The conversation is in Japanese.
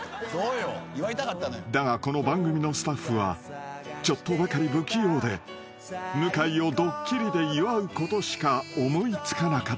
［だがこの番組のスタッフはちょっとばかり不器用で向井をドッキリで祝うことしか思い付かなかったのだ］